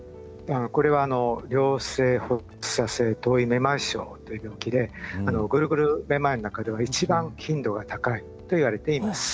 これはあの良性発作性頭位めまい症という病気でグルグルめまいの中では一番頻度が高いといわれています。